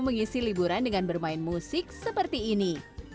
mengisi liburan dengan bermain musik seperti ini